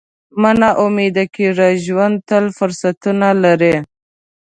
مه نا امیده کېږه، ژوند تل فرصتونه لري.